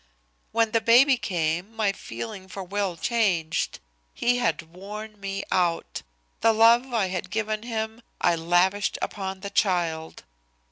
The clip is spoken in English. "When the baby came my feeling for Will changed. He had worn me out. The love I had given him I lavished upon the child.